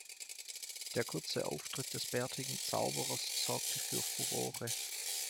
Der kurze Auftritt des bärtigen Zauberers sorgte für Furore.